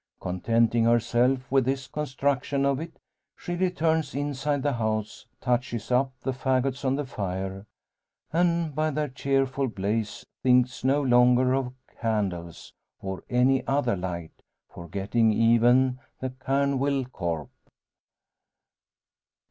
Contenting herself with this construction of it, she returns inside the house, touches up the faggots on the fire, and by their cheerful blaze thinks no longer of candles, or any other light forgetting even the canwyll corph.